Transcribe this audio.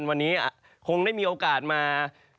ที่วันนี้คงไม่มีโอกาสมา